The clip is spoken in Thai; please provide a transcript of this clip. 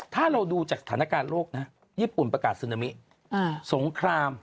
ถ้าเราดูจากสถานการณ์โลกนะญี่ปุ่นประกาศซึนามิสงคราม